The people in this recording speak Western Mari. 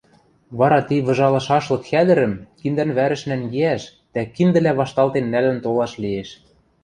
Вара ти выжалышашлык хӓдӹрӹм киндӓн вӓрӹш нӓнгеӓш дӓ киндӹлӓ вашталтен нӓлӹн толаш лиэш.